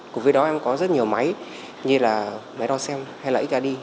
cùng với đó em có rất nhiều máy như là máy đo xem hay là xrd